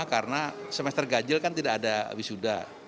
karena semester gajil kan tidak ada wisuda